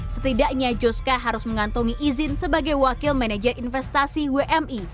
setidaknya juska harus mengantongi izin sebagai wakil manajer investasi wmi